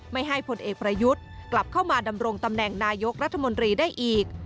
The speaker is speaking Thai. ไม่ให้ผลเอกประยุทธ์กลับเข้ามาดำรงตำแหน่งนายกรัฐมนตรีได้อีก